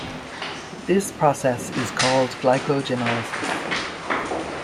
This process is called glycogenolysis.